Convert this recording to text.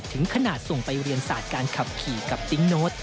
ถึงขนาดส่งไปเรียนศาสตร์การขับขี่กับติ๊งโน้ต